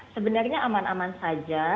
sebenarnya aman aman saja